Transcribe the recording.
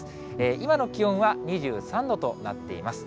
今の気温は２３度となっています。